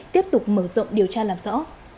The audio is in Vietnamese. tiếp tục mở rộng điều tra làm rõ